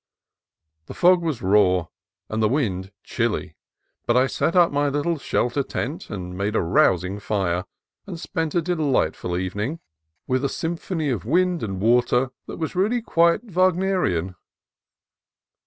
The fog was raw and the wind chilly, but I set up my little shelter tent, made a rousing fire, and spent a delightful evening, with a 264 CALIFORNIA COAST TRAILS symphony of wind and water that was really quite Wagnerian.